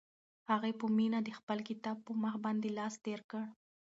هغې په مینه د خپل کتاب په مخ باندې لاس تېر کړ.